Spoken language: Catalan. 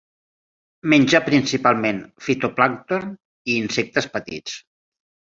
Menja principalment fitoplàncton i insectes petits.